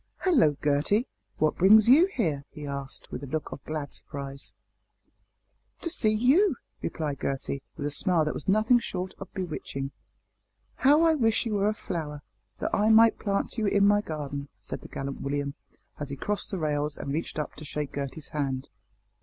"Hallo! Gertie what brings you here?" he asked, with a look of glad surprise. "To see you," replied Gertie, with a smile that was nothing short of bewitching. "How I wish you were a flower, that I might plant you in my garden," said the gallant William, as he crossed the rails and reached up to shake Gertie's hand.